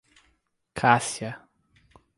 Cássia